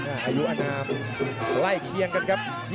อายุอนามใกล้เคียงกันครับ